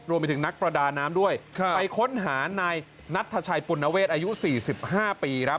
รวมมีถึงนักประดาน้ำด้วยไปค้นหานายนัททชัยปุณเวชอายุ๔๕ปี